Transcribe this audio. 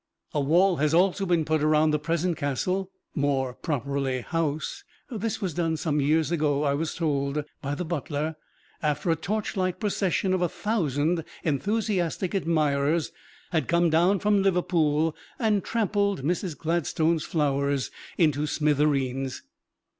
A wall has also been put around the present "castle" (more properly, house). This was done some years ago, I was told by the butler, after a torchlight procession of a thousand enthusiastic admirers had come down from Liverpool and trampled Mrs. Gladstone's flowers into "smithereens."